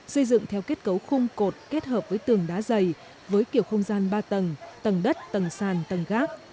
xây dựng theo kết cấu khung cột kết hợp với tường đá dày với kiểu không gian ba tầng tầng đất tầng sàn tầng gác